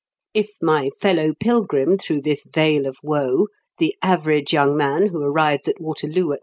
If my fellow pilgrim through this vale of woe, the average young man who arrives at Waterloo at 9.